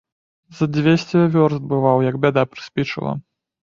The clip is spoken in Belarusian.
За дзвесце вёрст бываў, як бяда прыспічыла.